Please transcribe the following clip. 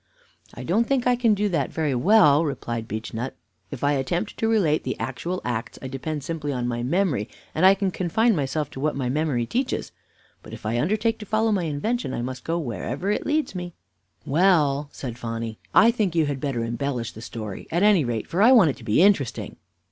"I don't think I can do that very well," replied Beechnut. "If I attempt to relate the actual acts, I depend simply on my memory, and I can confine myself to what my memory teaches; but if I undertake to follow my invention, I must go wherever it leads me." "Well," said Phonny, "I think you had better embellish the story, at any rate, for I want it to be interesting."